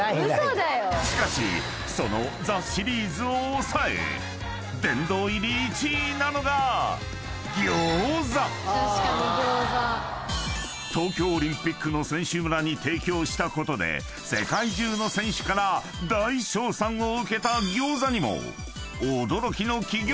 ［しかしそのザ★シリーズを抑え殿堂入り１位なのが］［東京オリンピックの選手村に提供したことで世界中の選手から大称賛を受けたギョーザにも］